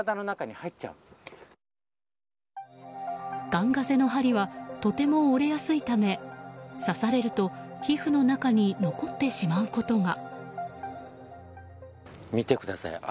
ガンガゼの針はとても折れやすいため刺されると皮膚の中に残ってしまうことが。